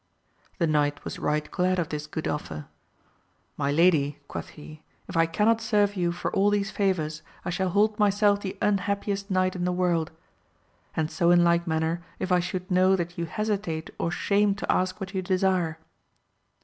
The knight was right glad of this good offer; My lady, quoth he, if I cannot serve you for all these favours I shall hold myself the unhappiest knight in the world, and so in like manner if I should know that you hesitate or shame to ask what you desire.